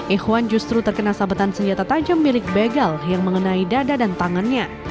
ikhwan justru terkena sabetan senjata tajam milik begal yang mengenai dada dan tangannya